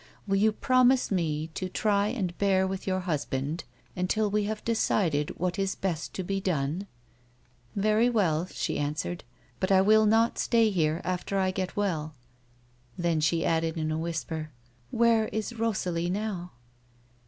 Will you promise me to try and bear with your husband until we have decided what is best to be done 1 " "Very well," she answered; "but I will not stay here after I get well." Then she added, in a whispei", " Where is Rosalie now